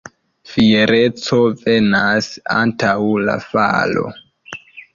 Fiereco venas antaŭ la falo.